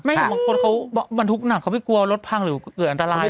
ไม่อย่างบางคนเขาบันทุกข์หนักเขาไม่กลัวรถพังหรือเกิดอันตรายหรอก